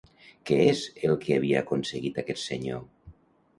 Què és el que havia aconseguit aquest senyor?